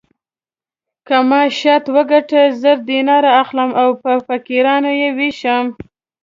که ما شرط وګټه زر دیناره اخلم او په فقیرانو یې وېشم.